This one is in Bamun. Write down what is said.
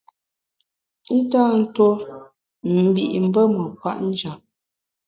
I tâ ntuo mbi’ mbe kwet njap.